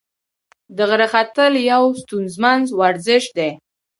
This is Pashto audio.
د غره ختل یو ستونزمن ورزش دی.